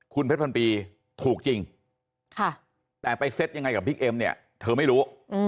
คุณเพชรพันปีถูกจริงแต่ไปเซ็ตยังไงกับบิ๊กเอ็มเนี่ยเธอไม่รู้